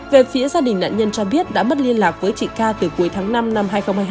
về phía gia đình nạn nhân cho biết đã mất liên lạc với chị ca từ cuối tháng năm năm hai nghìn hai mươi hai